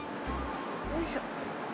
よいしょ。